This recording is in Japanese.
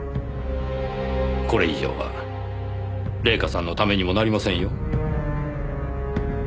これ以上は礼夏さんのためにもなりませんよ。